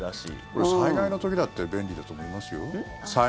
これ、災害の時だって便利だと思いますよ。